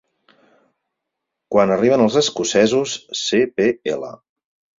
Quan arriben els escocesos, Cpl.